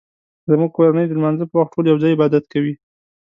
زموږ کورنۍ د لمانځه په وخت ټول یو ځای عبادت کوي